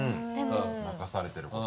任されてること。